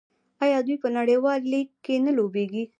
آیا دوی په نړیوال لیګ کې نه لوبېږي؟